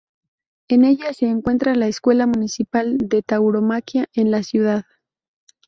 En ella se encuentra la Escuela Municipal de Tauromaquia de la ciudad.